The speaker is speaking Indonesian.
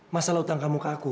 masalah utang kamu ke aku